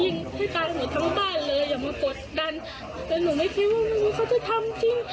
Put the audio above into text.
หนูไม่คิดว่ามันนี้เค้าจะทำจริง